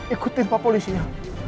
ikutin pak polisinya